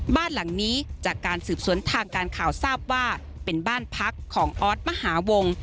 บ้านหลังนี้จากการสืบสวนทางการข่าวทราบว่าเป็นบ้านพักของออสมหาวง